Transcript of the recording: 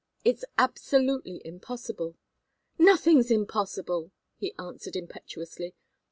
It's absolutely impossible." "Nothing's impossible!" he answered, impetuously.